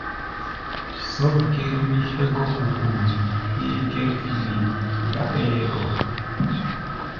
Zɔ́k gɛ́r-wí hégɔ́ hukulu héé gɛ́r firi gá ɓɛɛ gɔ.